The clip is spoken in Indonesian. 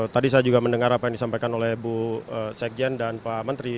tadi saya juga mendengar apa yang disampaikan oleh bu sekjen dan pak menteri